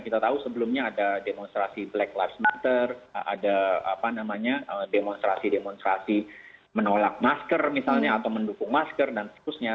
kita tahu sebelumnya ada demonstrasi black lives matter ada apa namanya demonstrasi demonstrasi menolak masker misalnya atau mendukung masker dan sebagainya